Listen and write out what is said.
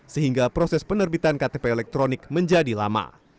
sehingga proses penerbitan ktp elektronik menjadi lama